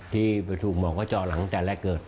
ที่ไปถูกหมอเค้าเจาะหลังแต่และเกิด